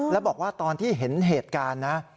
แล้วบอกว่าตอนที่เห็นเหตุการณ์นะ